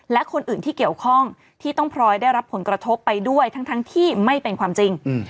และคนอื่นที่เกี่ยวข้องที่ต้องพลอยได้รับผลกระทบไปด้วยทั้งที่ไม่เป็นความจริง